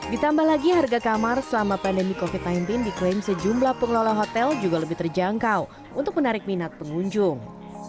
ditambah lagi harga kamar selama pandemi covid sembilan belas diklaim sejumlah pengelola hotel juga lebih terjangkau untuk menarik minat pengunjung